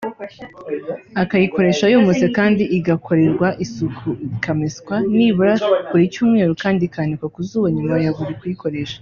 akayikoresha yumutse kandi igakorerwa isuku ikameswa nibura buri cyumweru kandi ikanikwa ku zuba nyuma ya buri kuyikoresha